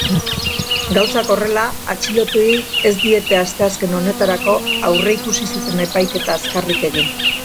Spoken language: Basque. Gauzak horrela, atxilotuei ez diete asteazken honetarako aurreikusi zuten epaiketa azkarrik egin.